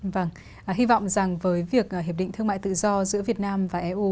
vâng hy vọng rằng với việc hiệp định thương mại tự do giữa việt nam và eu